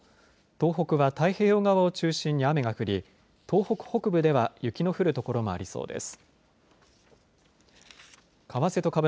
東北は太平洋側を中心に雨が降り東北北部では雪の降る所もありそうです。